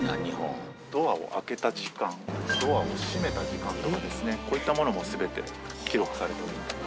ドアを開けた時間、ドアを閉めた時間とかですね、こういったものもすべて記録されています。